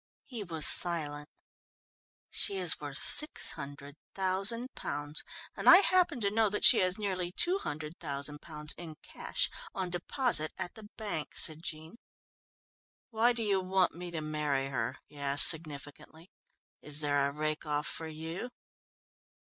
He was silent. "She is worth six hundred thousand pounds, and I happen to know that she has nearly two hundred thousand pounds in cash on deposit at the bank," said Jean. "Why do you want me to marry her?" he asked significantly. "Is there a rake off for you?"